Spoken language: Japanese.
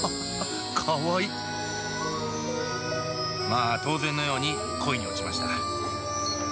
まあ当然のように恋に落ちました。